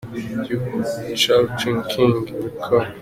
You – Churchill King & Recapp.